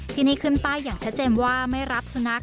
ที่นี่ขึ้นป้ายอย่างชัดเจนว่าไม่รับสุนัข